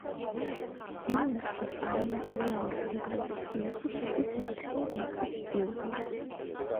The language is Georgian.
იუნესკოს არამატერიალური ძეგლების სიაში შედის მაქსიმ გორკის იუბილე.